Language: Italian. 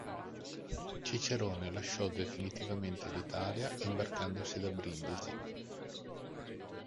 Cicerone lasciò definitivamente l'Italia, imbarcandosi da Brindisi.